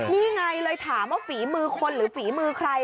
นี่ไงเลยถามว่าฝีมือคนหรือฝีมือใคร